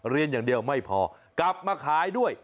เรียนอย่างเดียวไม่พอกลับมาขายด้วย